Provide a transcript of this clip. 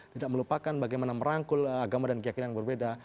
tidak melupakan bagaimana merangkul agama dan keyakinan berbeda